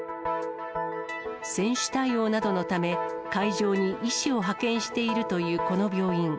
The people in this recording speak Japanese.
選手対応などのため、会場に医師を派遣しているというこの病院。